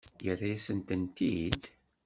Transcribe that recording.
Yerra-yasent-tent-id?